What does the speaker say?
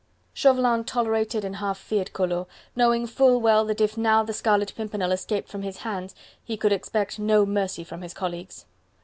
Chauvelin tolerated and half feared Collot, knowing full well that if now the Scarlet Pimpernel escaped from his hands, he could expect no mercy from his colleagues.